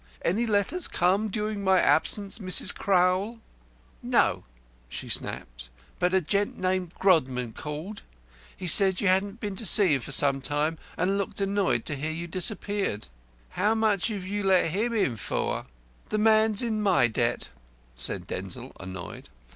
Any letters come during my absence, Mrs. Crowl?" "No," she snapped. "But a gent named Grodman called. He said you hadn't been to see him for some time, and looked annoyed to hear you'd disappeared. How much have you let him in for?" "The man's in my debt," said Denzil, annoyed.